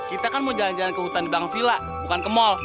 kita kan mau jalan jalan ke hutan di bang villa bukan ke mall